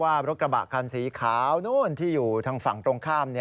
ว่ารถกระบะคันสีขาวนู่นที่อยู่ทางฝั่งตรงข้าม